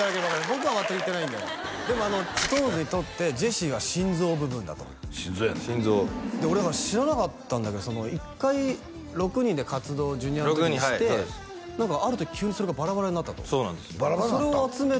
僕は全く言ってないんででもＳｉｘＴＯＮＥＳにとってジェシーは心臓部分だと心臓やって俺は知らなかったんだけど一回６人で活動をＪｒ．の時にして何かある時急にそれがバラバラになったとそれを集め